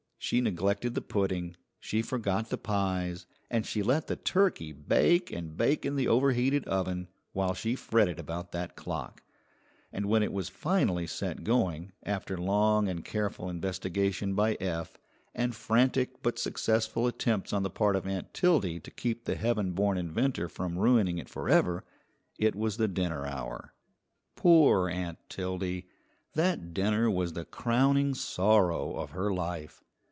She neglected the pudding, she forgot the pies, and she let the turkey bake and bake in the overheated oven while she fretted about that clock; and when it was finally set going, after long and careful investigation by Eph, and frantic but successful attempts on the part of Aunt Tildy to keep the heaven born inventor from ruining it forever, it was the dinner hour. Poor Aunt Tildy! That dinner was the crowning sorrow of her life.